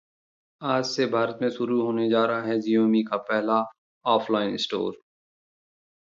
आज से भारत में शुरू होने जा रहा है Xiaomi का पहला ऑफलाइन स्टोर